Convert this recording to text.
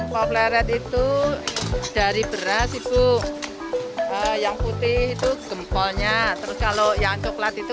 popleret itu dari beras ibu yang putih itu gempolnya terus kalau yang coklat itu